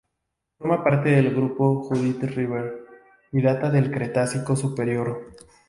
Forma parte del Grupo Judith River, y data del Cretácico superior.